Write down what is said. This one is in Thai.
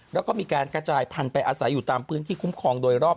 แล้วก็มีการกระจายพันธุ์ไปอาศัยอยู่ตามพื้นที่คุ้มครองโดยรอบ